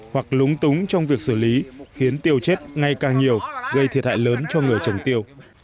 hoặc lúng túng trong việc xử lý khiến tiêu chết ngay càng nhiều gây thiệt hại lớn cho người trồng tiêu